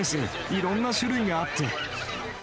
いろんな種類があって。